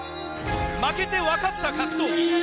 負けて分かった格闘技。